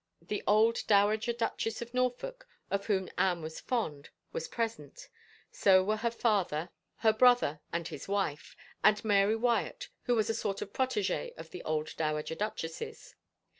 The old Dowager Duchess of Norfolk, of whom Anne was fond, was present; so were her father, her 117 THE FAVOR OF KINGS brother, and his wife, and Mary Wyatt, who was a sort of protegee of the old dowager duchess's.